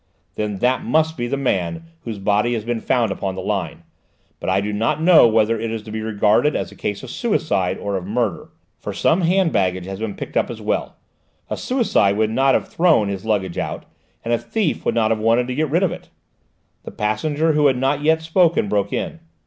"Then that must be the man whose body has been found upon the line. But I do not know whether it is to be regarded as a case of suicide or of murder, for some hand baggage has been picked up as well: a suicide would not have thrown his luggage out, and a thief would not have wanted to get rid of it." The passenger who had not yet spoken, broke in.